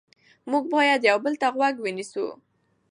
موږ باید یو بل ته غوږ ونیسو